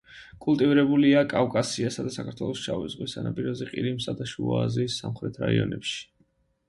კულტივირებულია კავკასიასა და საქართველოს შავი ზღვის სანაპიროზე, ყირიმსა და შუააზიის სამხრეთ რაიონებში.